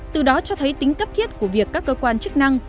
từ đó cho thấy tính cấp thiết của việc các cơ quan chức năng